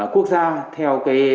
quốc gia theo